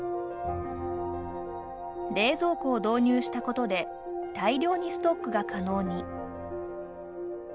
冷蔵庫を導入したことで大量にストックが可能に。